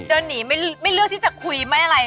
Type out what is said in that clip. เดินหนีไม่เลือกที่จะคุยไม่อะไร